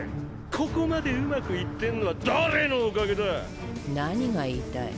ここまでうまくいってんのは誰のおかげだ⁉何が言いたい？